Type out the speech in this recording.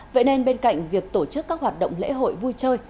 vậy nên bên cạnh việc tổ chức các hoạt động lễ hội vui chơi